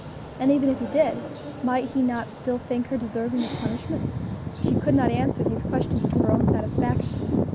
And even if he did, might he not still think her deserving of punishment? She could not answer these questions to her own satisfaction.